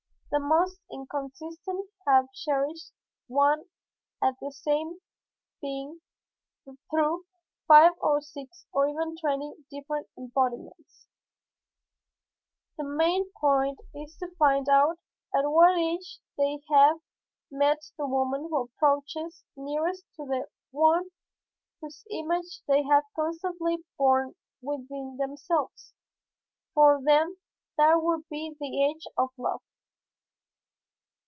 The most inconsistent have cherished one and the same being through five or six or even twenty different embodiments. The main point is to find out at what age they have met the woman who approaches nearest to the one whose image they have constantly borne within themselves. For them that would be the age for love.